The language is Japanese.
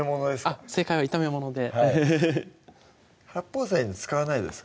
あっ正解は「炒めもの」で八宝菜に使わないですか？